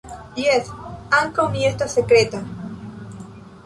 Jes, ankaŭ mi estas sekreta.